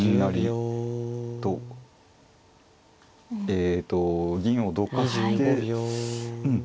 えと銀をどかしてうん